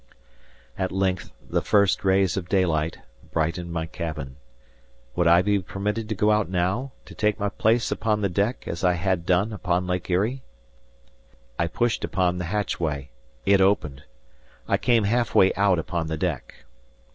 At length the first rays of daylight brightened my cabin. Would I be permitted to go out now, to take my place upon the deck, as I had done upon Lake Erie? I pushed upon the hatchway: it opened. I came half way out upon the deck.